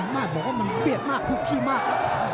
มากบอกว่ามันเบียดมากทุกที่มากครับ